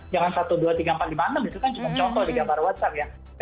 jangan satu dua tiga empat lima enam itu kan cuma contoh di gambar whatsapp ya